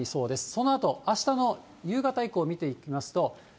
そのあとあしたの夕方以降見ていきますと。